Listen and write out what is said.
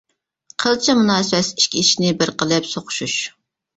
قىلچە مۇناسىۋەتسىز ئىككى ئىشنى بىر قىلىپ سوقۇشۇش.